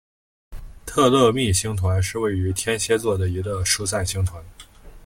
托勒密星团是位于天蝎座的一个疏散星团。